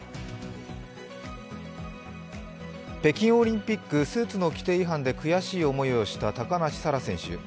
北京オリンピックスーツの規定違反で悔しい思いをした高梨沙羅選手。